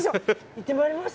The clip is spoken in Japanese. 行ってまいります。